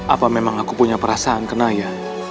apa memang aku punya perasaan ke naya